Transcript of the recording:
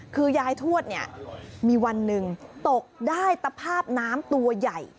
คือยายทวดเนี่ยมีวันหนึ่งตกได้ตภาพน้ำตัวใหญ่